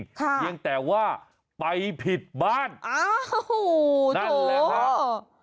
เพียงแต่ว่าไปผิดบ้านอ้าวโอ้โหนั่นแหละครับ